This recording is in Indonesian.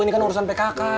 ini kan urusan pkk